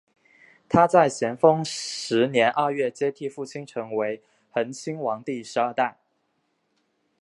他在咸丰十年二月接替父亲成为恒亲王第十二代。